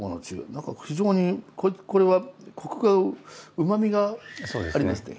何か非常にこれはコクがうまみがありますね。